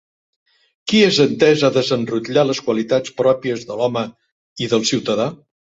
Qui és entès a desenrotllar les qualitats pròpies de l'home i del ciutadà?